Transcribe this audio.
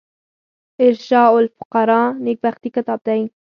ارشاد الفقراء نېکبختي کتاب دﺉ.